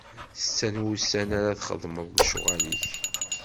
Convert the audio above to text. Setta n wussan ara txeddmeḍ lecɣal-ik.